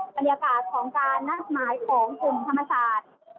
บรรยากาศของการนัดหมายของกลุ่มธรรมศาสตร์